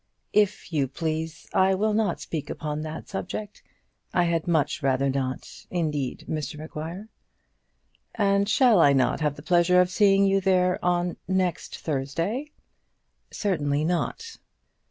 "If you please, I will not speak upon that subject. I had much rather not, indeed, Mr Maguire." "And shall I not have the pleasure of seeing you there on next Thursday?" "Certainly not."